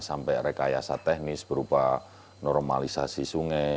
sampai rekayasa teknis berupa normalisasi sungai